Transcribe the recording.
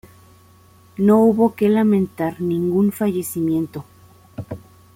No hubo que lamentar ningún fallecimiento.